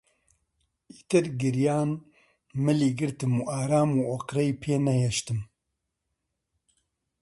ئیتر گریان ملی گرتم و ئارام و ئۆقرەی پێ نەهێشتم